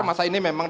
masa ini memang